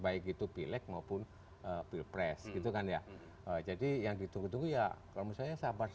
baik itu pilek maupun pilpres gitu kan ya jadi yang ditunggu tunggu ya kalau misalnya sabar